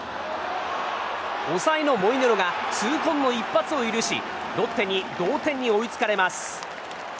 抑えのモイネロが痛恨の一発を許しロッテに同点に追いつかれます。